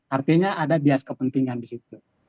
artinya ada bias kepentingan di situ